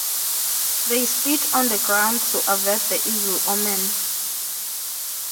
They spit on the ground to avert the evil omen.